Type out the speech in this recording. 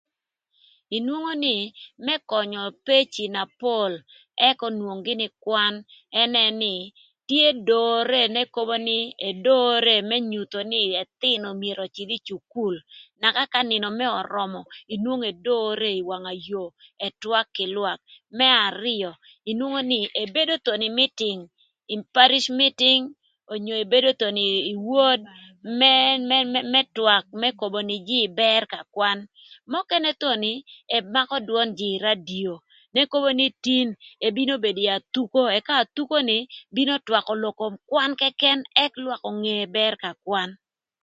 Inwongo nï më könyö peci na pol ëk onwong gïnï kwan ënë nï tye dore n'ekobo nï edore më nyutho nï ëthïnö myero öcïdh ï cukul na ka nïnö mërë örömö inwongo edore ï wang yoo ëtwak kï lwak. Më arïö inwongo nï ebedo thon ï mïtïng ï paric mïtïng onyo ebedo thon ï wod më twak më kobo nï jïï bër ka kwan mökënë thon ëmakö dwön jïï ï radio n'ekobo tin ebido bedo ï athuko ëka athuko ni bino twakö lök kom kwan këkën ëk lwak onge bër ka kwan.